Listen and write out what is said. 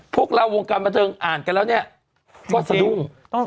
พวกเราวงการมาทึงอ่านกันแล้วเนี่ยตัวเองก็สดุ่ง